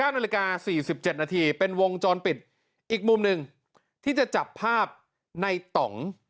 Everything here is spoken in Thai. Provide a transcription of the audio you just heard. นาฬิกา๔๗นาทีเป็นวงจรปิดอีกมุมหนึ่งที่จะจับภาพในต่อง